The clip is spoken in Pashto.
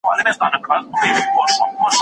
سانسور د کتابونو لوستل کموي.